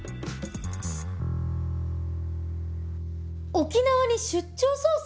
沖縄に出張捜査？